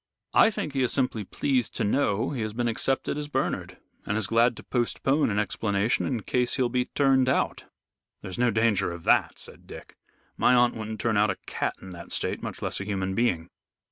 I think he is simply pleased to know he has been accepted as Bernard, and is glad to postpone an explanation in case he'll be turned out." "There's no danger of that," said Dick. "My aunt wouldn't turn out a cat in that state, much less a human being."